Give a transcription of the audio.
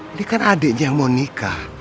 ini kan adiknya yang mau nikah